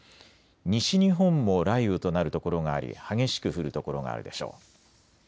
西日本も雷雨となる所があり激しく降る所があるでしょう。